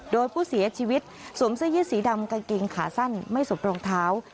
โดยผู้เสียชีวิตสวมเสื้อยืดสีดำกางเกงขาสั้นไม่สวมรองเท้า